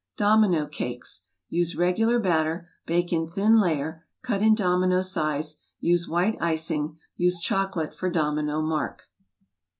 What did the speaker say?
Domino Cakes Use regular batter, bake in thin layer, cut in domino size, use white icing, use choco¬ late for domino mark.